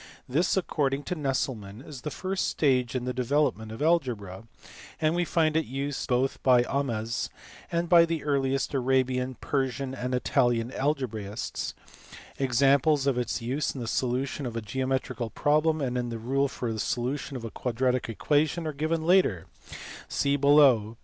This, according to Nesselmann, is the first stage in the development of algebra, and we find it used both by Ahmes and by the earliest Arabian, Persian, and Italian algebraists : examples of its use in the solution of a geometrical problem and in the rule for the solution of a quadratic equation are given later (see below, pp.